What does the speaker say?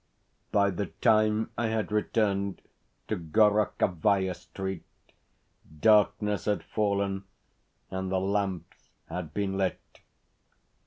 By the time I had returned to Gorokhovaia Street darkness had fallen and the lamps had been lit.